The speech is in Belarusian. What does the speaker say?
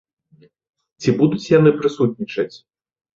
Ці будуць яны прысутнічаць?